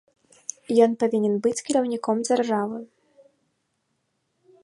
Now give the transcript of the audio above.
Ён павінен быць кіраўніком дзяржавы.